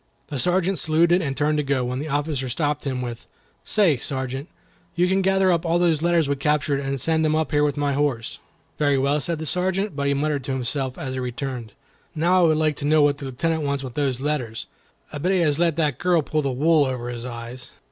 The Sergeant saluted and turned to go, when the officer stopped him with, "Say, Sergeant, you can gather up all those letters we captured and send them up here with my horse." "Very well," said the Sergeant, but he muttered to himself, as he returned, "Now, I would like to know what the Lieutenant wants of those letters. I bet he has let that girl pull the wool over his eyes."